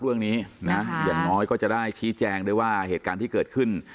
เรื่องนี้นะอย่างน้อยก็จะได้ชี้แจงด้วยว่าเหตุการณ์ที่เกิดขึ้น